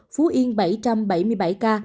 phú yên bảy bảy mươi bảy ca